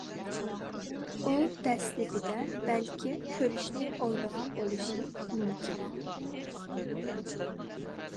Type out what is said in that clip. ئۇ دەسلىپىدە بەلكىم كۆرۈشنى ئويلىغان بولۇشى مۇمكىن.